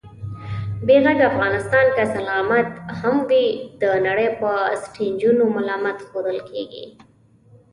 بې غږه افغانستان که سلامت هم وي، د نړۍ په سټېجونو ملامت ښودل کېږي